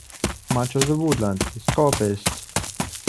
Much of the woodland is coppiced.